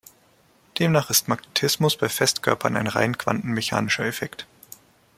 Demnach ist Magnetismus bei Festkörpern ein rein quantenmechanischer Effekt.